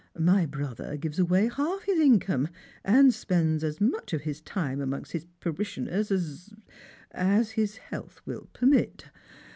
My brother gives away half his income, and spends as much of his time amongst his parishioners as — as — his health will permit.